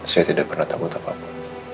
saya tidak pernah takut apa apa